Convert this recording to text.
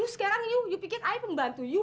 sekarang ibu pikir ibu pembantu ibu